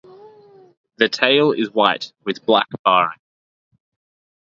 The tail is white with black barring.